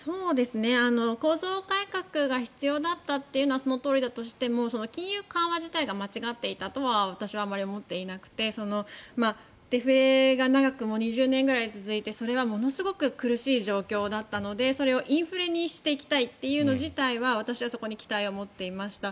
構造改革が必要だったというのはそのとおりだとしても金融緩和自体が間違っていたとは私はあまり思っていなくてデフレが長く２０年ぐらい続いてそれがものすごく苦しい状況だったのでそれをインフレにしていきたいっていうこと自体は私はそこに期待を持っていました。